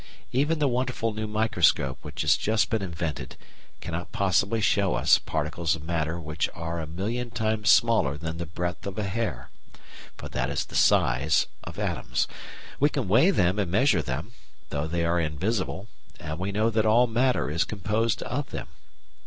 Even the wonderful new microscope which has just been invented cannot possibly show us particles of matter which are a million times smaller than the breadth of a hair; for that is the size of atoms. We can weigh them and measure them, though they are invisible, and we know that all matter is composed of them.